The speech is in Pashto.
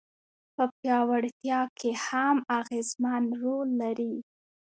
په پياوړتيا کي هم اغېزمن رول لري.